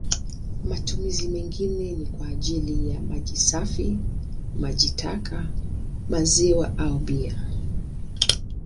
Matumizi mengine ni kwa ajili ya maji safi, maji taka, maziwa au bia.